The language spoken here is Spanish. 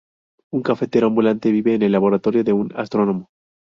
Un cafetero ambulante vive en el laboratorio de un astrónomo.